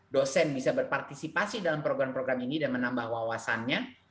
dosen bisa berpartisipasi dalam program program ini dan menambah wawasannya